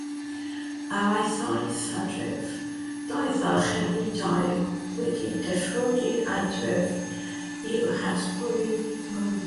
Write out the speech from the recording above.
Ar ei thaith adref, daeth â cherbydau wedi'u difrodi adref i'w hatgyweirio.